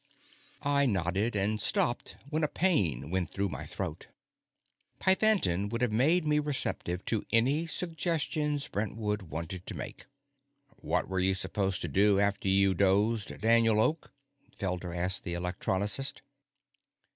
I nodded and stopped when a pain went through my throat. Pythantin would have made me receptive to any suggestions Brentwood wanted to make. "What were you supposed to do after you dosed Daniel Oak?" Felder asked the electronicist.